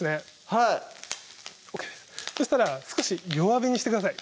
はいそしたら少し弱火にしてください